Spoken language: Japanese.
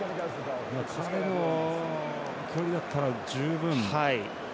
彼の距離だったら十分。